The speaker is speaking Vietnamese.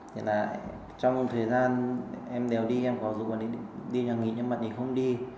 thì là trong thời gian em đèo đi em có giúp bạn ấy đi nhà nghỉ nhưng bạn ấy không đi